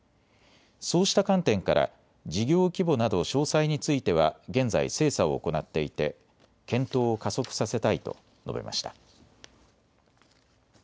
そうした観点から事業規模など詳細については現在、精査を行っていて検討を加速させたいと述べました。